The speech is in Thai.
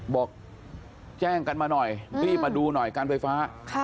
บอกแจ้งกันมาหน่อยรีบมาดูหน่อยการไฟฟ้า